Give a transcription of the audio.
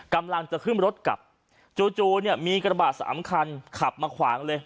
กำลังจะขึ้นรถกลับจู่เนี่ยมีกระบะสามคันขับมาขวางเลย